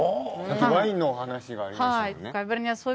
ワインの話がありますもんね。